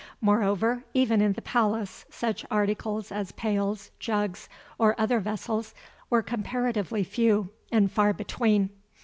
Moreover, even in the palace, such articles as pails, jugs, or other vessels were comparatively few and far between.